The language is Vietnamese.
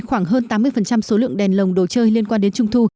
khoảng hơn tám mươi số lượng đèn lồng đồ chơi liên quan đến trung thu